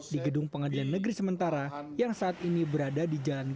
di gedung pengadilan negeri sementara yang saat ini berada di jalan gatot